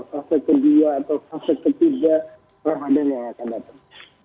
fase kedua atau fase ketiga ramadan yang akan datang